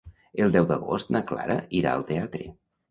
El deu d'agost na Clara irà al teatre.